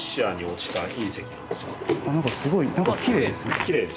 これはすごい何かきれいですね。